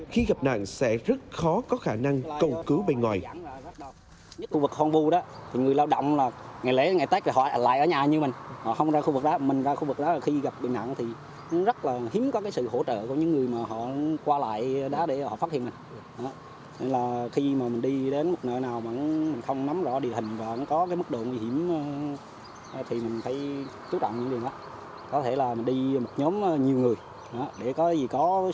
khi gặp nạn sẽ rất khó có khả năng cầu cứu bày ngoài